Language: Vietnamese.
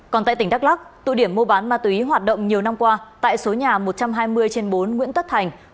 còn tại tỉnh đắk lắc tụ điểm mua bán ma túy hoạt động nhiều năm qua tại số nhà một trăm hai mươi trên bốn nguyễn tất thành